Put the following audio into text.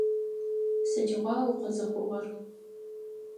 Сыдигъуа укъызыхъугъэр?